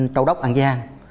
châu đốc an giang